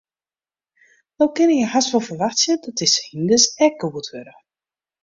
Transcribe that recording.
No kinne je hast wol ferwachtsje dat dizze hynders ek goed wurde.